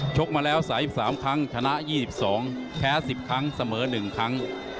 กมาแล้ว๓๓ครั้งชนะ๒๒แพ้๑๐ครั้งเสมอ๑ครั้ง